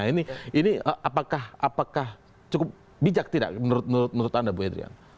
nah ini apakah cukup bijak tidak menurut anda bu edrian